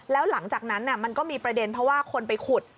แล้วหลังจากนั้นมันก็มีประเด็นเพราะว่าคนไปขุด